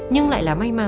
nhưng lại là may mắn